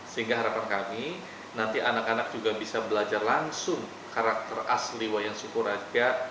sehingga harapan kami nanti anak anak juga bisa belajar langsung karakter asli wayang sukuraga